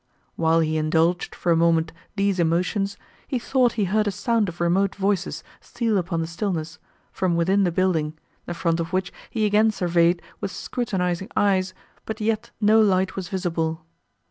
While he indulged, for a moment, these emotions, he thought he heard a sound of remote voices steal upon the stillness, from within the building, the front of which he again surveyed with scrutinizing eyes, but yet no light was visible.